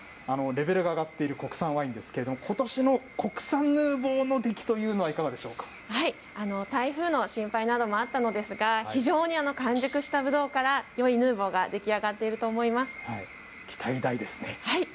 レベルが上がっている国産ワインですけれども、ことしの国産ヌーボーの出来というのは、いか台風の心配などもあったのですが、非常に完熟したぶどうからよいヌーボーが出来上がっている期待大ですね。